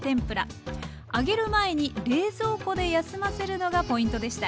揚げる前に冷蔵庫で休ませるのがポイントでした。